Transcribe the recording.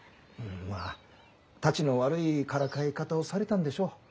まあたちの悪いからかい方をされたんでしょう。